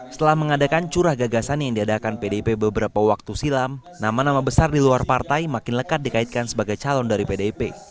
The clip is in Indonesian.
setelah mengadakan curah gagasan yang diadakan pdip beberapa waktu silam nama nama besar di luar partai makin lekat dikaitkan sebagai calon dari pdip